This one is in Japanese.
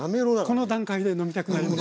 この段階で飲みたくなります。